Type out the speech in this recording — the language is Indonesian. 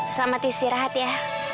selamat istirahat ya